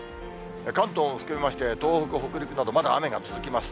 関東も含めまして、東北、北陸など、まだ雨が続きます。